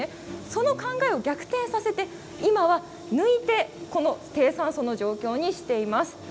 その考えを逆転させて今は抜いて低酸素状態にしています。